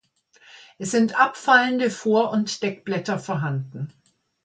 Es sind abfallende Vor- und Deckblätter vorhanden.